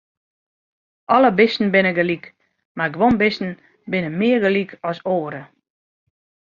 Alle bisten binne gelyk, mar guon bisten binne mear gelyk as oare.